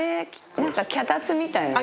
何か脚立みたいな。